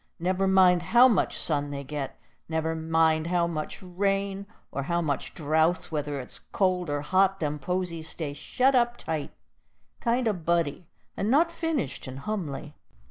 Never mind how much sun they get, never mind how much rain or how much drouth, whether it's cold or hot, them posies stay shet up tight, kind o' buddy, and not finished and humly.